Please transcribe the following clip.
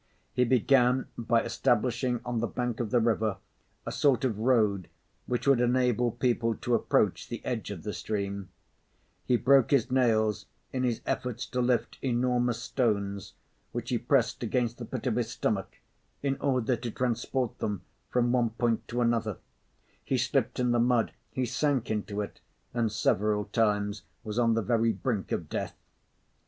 He began by establishing on the bank of the river a sort of road which would enable people to approach the edge of the stream; he broke his nails in his efforts to lift enormous stones which he pressed against the pit of his stomach in order to transport them from one point to another; he slipped in the mud, he sank into it, and several times was on the very brink of death.